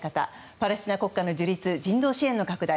パレスチナ国家の樹立人道支援の拡大